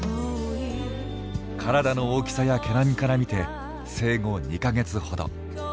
体の大きさや毛並みからみて生後２か月ほど。